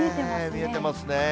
見えてますねぇ。